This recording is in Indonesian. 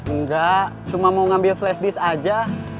enggak cuma mau ngambil flash disk aja